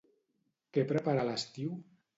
Què prepara a l'estiu?